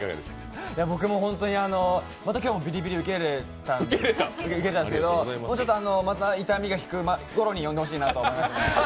僕もまた今日もビリビリ受けれたんですけどもうちょっと、痛みが引くころに呼んでほしいと思います。